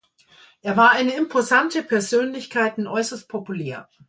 Er war eine imposante Persönlichkeit und äußerst populär.